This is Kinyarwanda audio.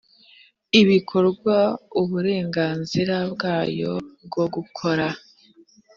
bikorwa uburenganzira bwayo bwo gukora